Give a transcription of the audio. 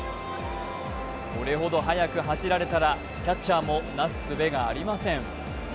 これほど速く走られたら、キャッチャーもなすすべがありません。